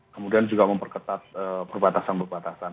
kemudian juga memperketat perbatasan perbatasan